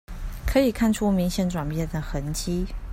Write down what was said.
可以看出明顯轉變的痕跡